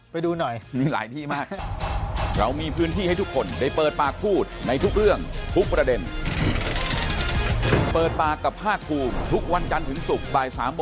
ไปดูหน่อยมีหลายที่มากนะครับ